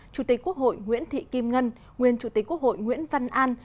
chủ tịch quốc hội nguyễn thị kim ngân nguyên chủ tịch quốc hội nguyễn văn an